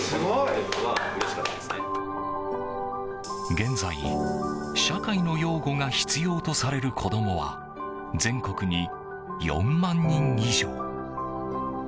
現在、社会の養護が必要とされる子供は全国に４万人以上。